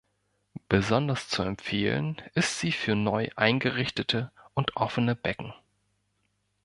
Besonders zu empfehlen ist sie für neu eingerichtete und offene Becken.